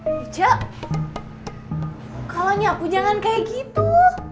eja kalanya aku jangan kayak gitu